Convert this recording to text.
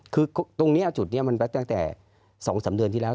คือตรงนี้จุดนี้มันตั้งแต่๒๓เดือนที่แล้ว